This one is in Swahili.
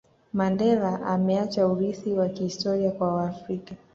Mandela ameacha urithi wa kihistori kwa waafrika